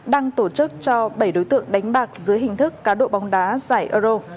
đang tổ chức cho bảy đối tượng đánh bạc dưới hình thức cá độ bóng đá giải euro